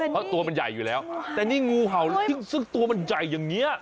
เพราะตัวมันใหญ่อยู่แล้วแต่นี่งูเห่าซึ่งตัวมันใหญ่อย่างนี้